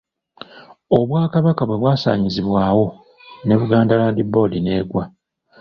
Obwakabaka bwe bwasaanyizibwawo ne Buganda Land Board n'egwa.